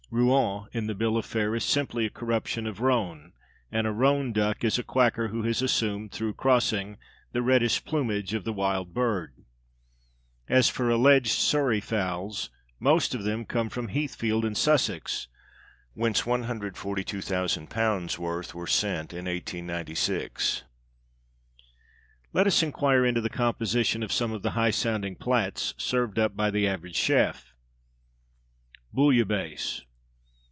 "Rouen" in the bill of fare is simply a corruption of "roan"; and a "roan duck" is a quacker who has assumed (through crossing) the reddish plumage of the wild bird. As for (alleged) Surrey fowls, most of them come from Heathfield in Sussex, whence £142,000 worth were sent in 1896. Let us enquire into the composition of some of the high sounding plats, served up by the average chef. _Bouillabaisse.